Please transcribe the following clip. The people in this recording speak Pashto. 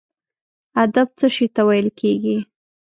ادب څه شي ته ویل کیږي؟